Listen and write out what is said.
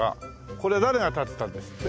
これは誰が建てたんですって？